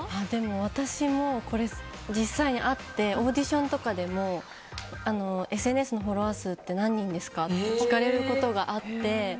私もこれ実際にあってオーディションとかでもＳＮＳのフォロワー数って何人ですか？って聞かれることがあって。